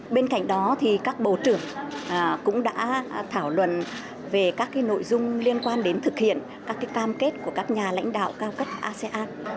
bên cạnh đó thì các bộ trưởng cũng đã thảo luận về các nội dung liên quan đến thực hiện các cam kết của các nhà lãnh đạo cao cấp asean